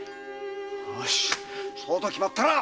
よしそうと決まったら！